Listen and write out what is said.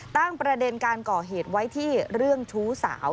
ตั้งประเด็นการก่อเหตุไว้ที่เรื่องชู้สาว